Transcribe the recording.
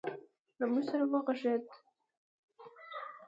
له موږ سره وغږېد